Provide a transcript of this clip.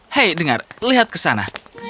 hei dengar lihat ke sana